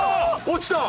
落ちた！